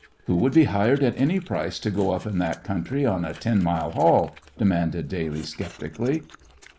"Who would be hired at any price to go up in that country on a ten mile haul?" demanded Daly, sceptically.